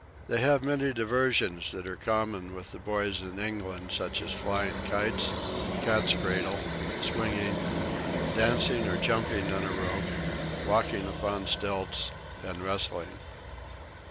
They have many diversions that are common with the boys in England such as flying kites, cats cradle, swinging, dancing or jumping in a rope, walking upon stilts and wrestling.